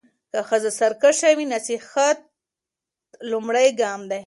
که ښځه سرکشه وي، نصيحت لومړی ګام دی.